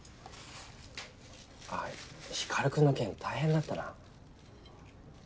光君の件大変だったな。